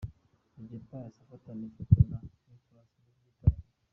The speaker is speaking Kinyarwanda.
Dj Pius afatana ifoto na Nicolas muri iki gitaramo.